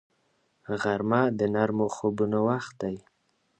غرمه د نرمو خوبونو وخت دی